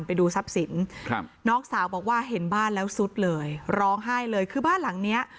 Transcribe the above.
ไปดูทรัพย์สินครับน้องสาวบอกว่าเห็นบ้านแล้วสุดเลยร้องไห้เลยคือบ้านหลังเนี้ย